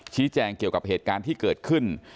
แจ้งเกี่ยวกับเหตุการณ์ที่เกิดขึ้น